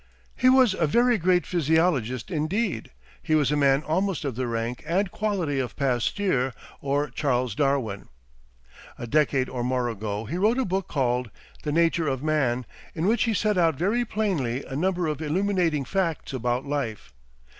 He was a very great physiologist indeed; he was a man almost of the rank and quality of Pasteur or Charles Darwin. A decade or more ago he wrote a book called "The Nature of Man," in which he set out very plainly a number of illuminating facts about life.